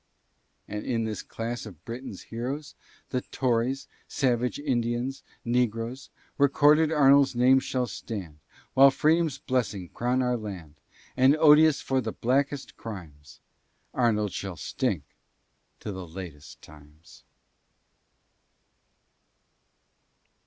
Then, in this class of Britain's heroes, The Tories, savage Indians, negroes, Recorded Arnold's name shall stand, While Freedom's blessings crown our land, And odious for the blackest crimes, Arnold shall stink to latest times.